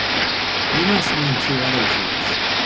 You must mean two other trees.